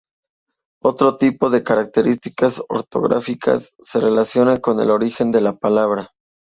Otro tipo de características ortográficas se relaciona con el origen de la palabra.